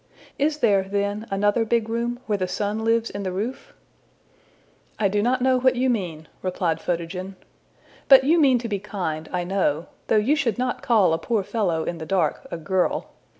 Is there, then, another big room, where the sun lives in the roof?'' ``I do not know what you mean,'' replied Photogen. ``But you mean to be kind, I know, though you should not call a poor fellow in the dark a girl.